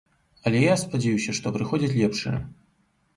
Але я спадзяюся, што прыходзяць лепшыя.